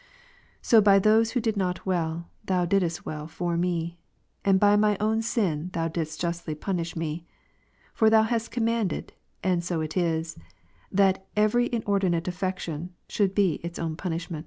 So by those who did not well. Thou didst well for me ; and by my own sin Thou didst justly punish me. For Thou hast commanded, and so it is, that evei'y inordinate affection should be its own punishment.